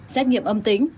xét nghiệm âm tính